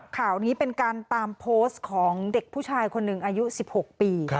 ข่าวนี้เป็นการตามโพสต์ของเด็กผู้ชายคนหนึ่งอายุ๑๖ปี